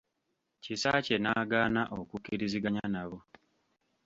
Kisaakye n'agaana okukkiriziganya nabo.